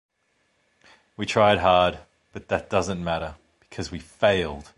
We tried hard, but that doesn't matter because we failed.